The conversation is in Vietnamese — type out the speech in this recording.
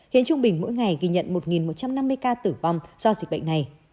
khiến trung bình mỗi ngày ghi nhận một một trăm năm mươi ca tử vong do dịch bệnh này